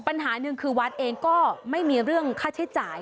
ปัญหาหนึ่งคือวัดเองก็ไม่มีเรื่องค่าใช้จ่าย